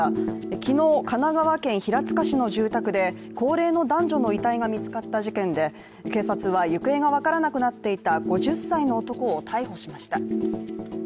昨日、神奈川県平塚市の住宅で高齢の男女の遺体が見つかった事件で警察は行方が分からなくなっていた５０歳の男を逮捕しました。